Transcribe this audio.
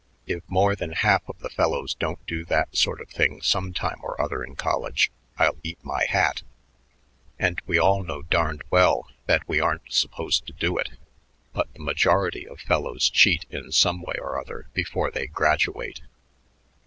If more than half of the fellows don't do that sort of thing some time or other in college, I'll eat my hat. And we all know darned well that we aren't supposed to do it, but the majority of fellows cheat in some way or other before they graduate!